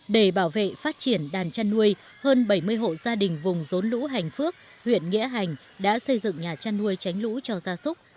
để bảo vệ phát triển đàn chăn nuôi hơn bảy mươi hộ gia đình vùng rốn lũ hành phước huyện nghĩa hành đã xây dựng nhà chăn nuôi tránh lũ cho gia súc